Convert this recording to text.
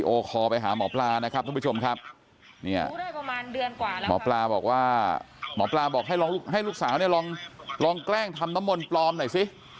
โอคอไปหาหมอพลานะครับทุกผู้ชมครับหมอพลาบอกให้ลูกสาวลองแกล้งทำน้ำมนปลอมหน่อยสิ